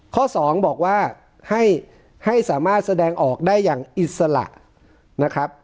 ข้อ๒บอกว่าให้สามารถแสดงออกได้อย่างอิสระนะครับ